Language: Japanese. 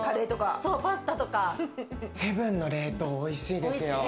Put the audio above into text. セブンの冷凍、おいしいです